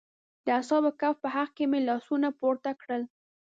د اصحاب کهف په حق کې مې لاسونه پورته کړل.